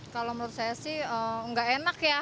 kalau menurut saya sih nggak enak ya